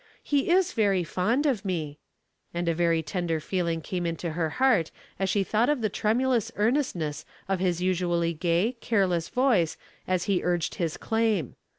He is very fond of me." And a very tender feeling came into her heart as she thought of the tremulous earnestness of his usually gay, careless voice as he urged his claim.